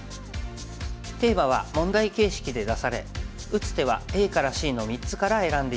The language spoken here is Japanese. テーマは問題形式で出され打つ手はＡからＣの３つから選んで頂きます。